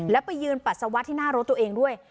แล้วไปยืนปัสสาวะที่หน้ารถตัวเองด้วย